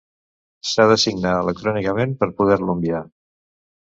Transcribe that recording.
S'ha de signar electrònicament per poder-lo enviar.